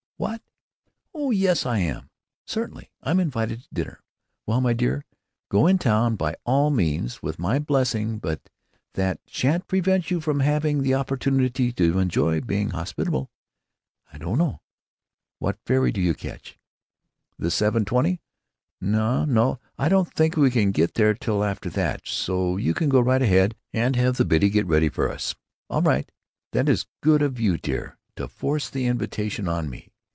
What?... Oh yes, I am; certainly I'm invited to dinner.... Well, my dear, go in town by all means, with my blessing; but that sha'n't prevent you from having the opportunity to enjoy being hospitable.... I don't know. What ferry do you catch?... The 7.20?... N no, I don't think we can get there till after that, so you can go right ahead and have the Biddy get ready for us.... All right; that is good of you, dear, to force the invitation on me."